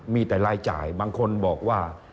มีแต่รายจ่ายบางคนบอกว่า